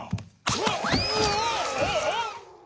うわっうわうわ！